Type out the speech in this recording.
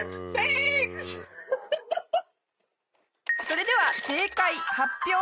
それでは正解発表！